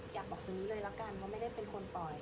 อยากบอกตรงนี้เลยละกันว่าไม่ได้เป็นคนปล่อย